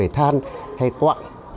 hay than hay quặn